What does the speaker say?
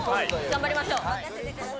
頑張りましょう。